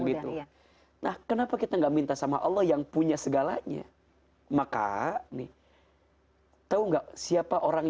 gitu nah kenapa kita enggak minta sama allah yang punya segalanya maka nih tahu enggak siapa orang